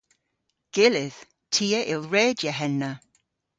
Gyllydh. Ty a yll redya henna.